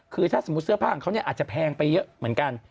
คือถ้าสมมุติเสื้อผ้าของเขาเนี่ยอาจจะแพงไปเยอะเหมือนกัน